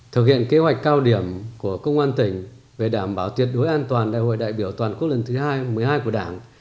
thực hiện kế hoạch cao điểm của công an tỉnh về đảm bảo tuyệt đối an toàn đại hội đại biểu toàn quốc lần thứ hai một mươi hai của đảng